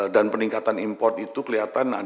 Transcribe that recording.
dan peningkatan import itu kelihatan ada di barang barang